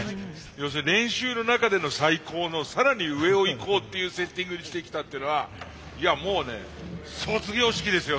要するに練習の中での最高の更に上をいこうっていうセッティングにしてきたっていうのはいやもうね卒業式ですよ